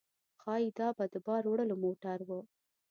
ښايي دا به د بار وړلو موټر و.